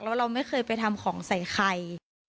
แล้วเราไม่เคยไปทำของใส่ใคร